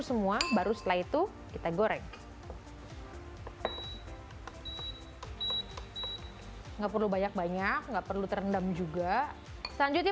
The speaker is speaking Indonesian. semua baru setelah itu kita goreng nggak perlu banyak banyak nggak perlu terendam juga selanjutnya